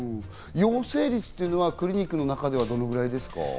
陽性率というのはクリニックの中ではどのくらいですか？